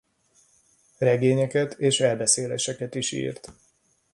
Regényeket és elbeszéléseket is írt.